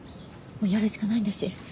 もうやるしかないんだし。